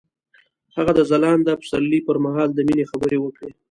هغه د ځلانده پسرلی پر مهال د مینې خبرې وکړې.